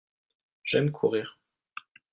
J'aime courrir.